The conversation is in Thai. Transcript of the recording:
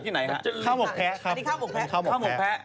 จากกระแสของละครกรุเปสันนิวาสนะฮะ